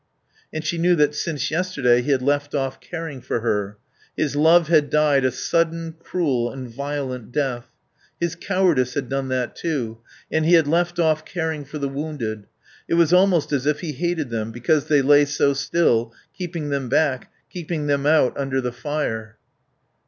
And she knew that since yesterday he had left off caring for her. His love had died a sudden, cruel and violent death. His cowardice had done that too.... And he had left off caring for the wounded. It was almost as if he hated them, because they lay so still, keeping him back, keeping him out under the fire.